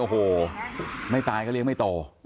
โอ้โหไม่ตายก็เลี้ยงไม่โต